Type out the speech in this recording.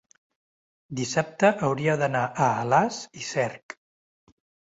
dissabte hauria d'anar a Alàs i Cerc.